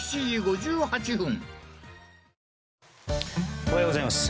おはようございます。